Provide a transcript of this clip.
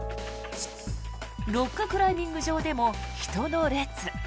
ロッククライミング場でも人の列。